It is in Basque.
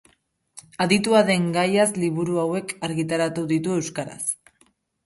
Aditua den gaiaz liburu hauek argitaratu ditu euskaraz.